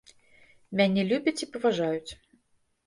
Мяне любяць і паважаюць.